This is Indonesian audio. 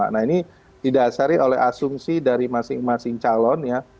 nah ini didasari oleh asumsi dari masing masing calon ya